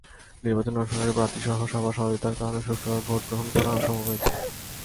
নির্বাচনে অংশগ্রহণকারী প্রার্থীসহ সবার সহযোগিতার কারণে সুষ্ঠুভাবে ভোট গ্রহণ করা সম্ভব হয়েছে।